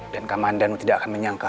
dan kamandanu tidak akan menyangka